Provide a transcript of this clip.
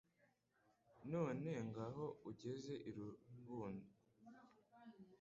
None ngaho ageze i Rubungo